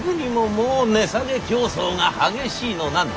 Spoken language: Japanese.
もう値下げ競争が激しいのなんの。